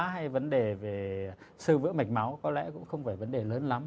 cái vấn đề về sơ vỡ mạch máu có lẽ cũng không phải vấn đề lớn lắm